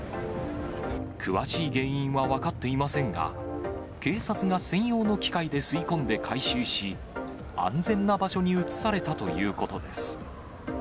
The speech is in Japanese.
詳しい原因は分かっていませんが、警察が専用の機械で吸い込んで回収し、安全な場所に移されたということです。